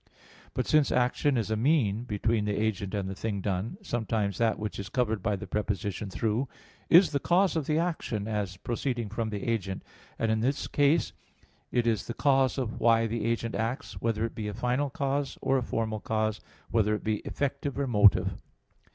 But since action is a mean between the agent and the thing done, sometimes that which is covered by the preposition "through" is the cause of the action, as proceeding from the agent; and in that case it is the cause of why the agent acts, whether it be a final cause or a formal cause, whether it be effective or motive.